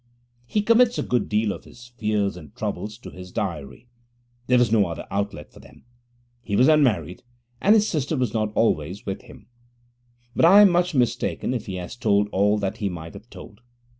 He commits a good deal of his fears and troubles to his diary; there was no other outlet for them. He was unmarried and his sister was not always with him. But I am much mistaken if he has told all that he might have told.